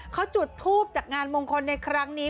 เขาจุดทูปจากงานมงคลในครั้งนี้